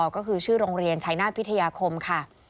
ก็คือชื่อโรงเรียนชัยนาธพิทยาคมค่ะ